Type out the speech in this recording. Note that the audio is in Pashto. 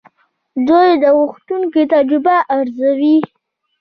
دوی د غوښتونکو تجربه ارزوي.